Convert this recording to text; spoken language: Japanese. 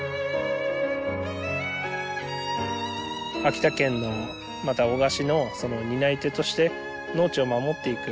秋田県のまた男鹿市の担い手として農地を守っていく。